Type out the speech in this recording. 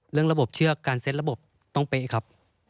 เรื่องระบบเชือกการเซ็ตระบบต้องเป๊ะครับ